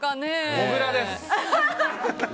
小倉です。